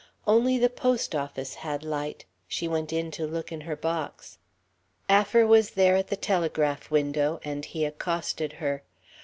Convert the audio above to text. Only the post office had light she went in to look in her box. Affer was there at the telegraph window, and he accosted her.